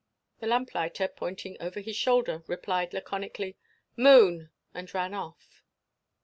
The lamplighter pointing over his shoulder, replied laconically, "Moon!" and ran off.